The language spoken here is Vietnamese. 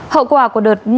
hậu quả của đợt xét xử điểm